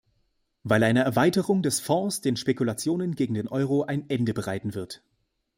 Weil eine Erweiterung des Fonds den Spekulationen gegen den Euro ein Ende bereiten wird.